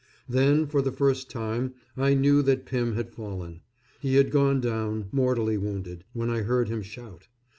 Then, for the first time, I knew that Pymm had fallen. He had gone down, mortally wounded, when I heard him shout.